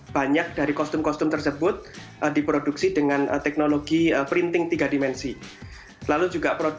banyak dari kostum kostum tersebut diproduksi dengan teknologi printing tiga dimensi lalu juga